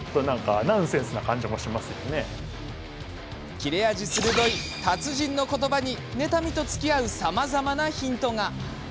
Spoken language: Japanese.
切れ味鋭い達人の言葉に妬みとつきあうさまざまなヒントが。